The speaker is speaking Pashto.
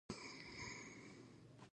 که ټوخي وهلي یاست ډېر مایعت واخلئ